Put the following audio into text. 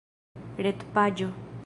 retpaĝo